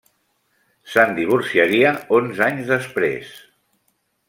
Se'n divorciaria onze anys després.